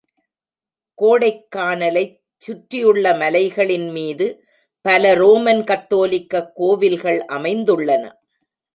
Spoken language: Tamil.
கோடைக்கானலைச் சுற்றியுள்ள மலைகளின் மீது பல ரோமன் கத்தோலிக்கக் கோவில்கள் அமைந்துள்ளன.